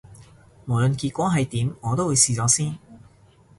無論結果係點，我都會試咗先